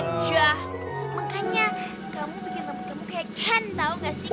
kamu bikin rambut kamu kayak ken tau gak sih